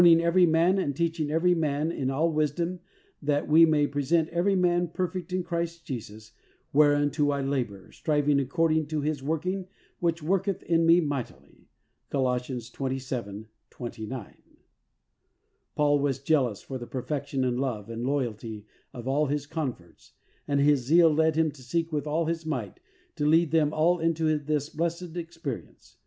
33 ing every man and teaching every man in all wisdom that we may present every man perfect in Christ Jesus, whereunto I labor, striving according to his working which worketh in me mightily." (Col. 27: 29.) Paul was jealous for the perfection in love and loyalty of all his converts, and his zeal led him to seek with all his might to lead them all into this blessed experience.